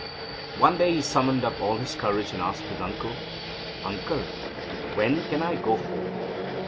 One day he summoned up all his courage, and asked his uncle: "Uncle, when can I go home?"